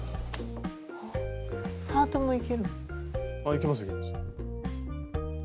あいけますいけます。